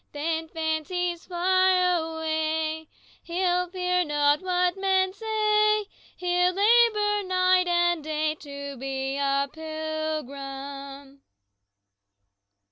Then, fancies fly away, He'll fear not what men say; He'll labor night and day To be a pilgrim."